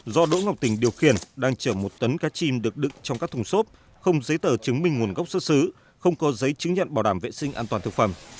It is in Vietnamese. do đỗ ngọc tình điều khiển đang chở một tấn cá chim được đựng trong các thùng xốp không giấy tờ chứng minh nguồn gốc xuất xứ không có giấy chứng nhận bảo đảm vệ sinh an toàn thực phẩm